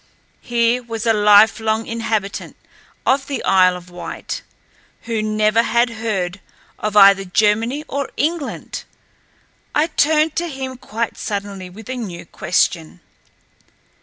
Here was a lifelong inhabitant of the Isle of Wight who never had heard of either Germany or England! I turned to him quite suddenly with a new question.